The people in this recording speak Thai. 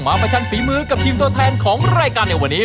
ประชันฝีมือกับทีมตัวแทนของรายการในวันนี้